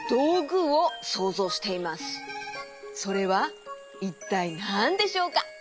それはいったいなんでしょうか？